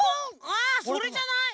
あそれじゃない？